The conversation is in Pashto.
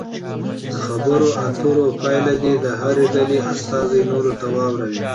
د خبرو اترو پایله دې د هرې ډلې استازي نورو ته واوروي.